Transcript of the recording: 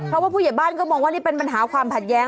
เพราะว่าผู้ใหญ่บ้านก็มองว่านี่เป็นปัญหาความขัดแย้ง